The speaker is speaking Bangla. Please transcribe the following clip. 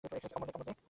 এখানে কি কমোড নেই?